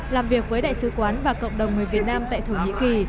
làm việc với đại sứ quán và cộng đồng người việt nam tại thổ nhĩ kỳ